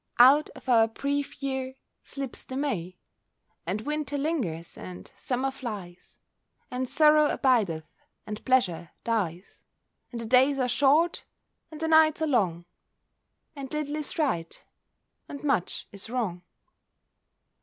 Out of our brief year slips the May; And Winter lingers, and Summer flies; And Sorrow abideth, and Pleasure dies; And the days are short, and the nights are long; And little is right, and much is wrong.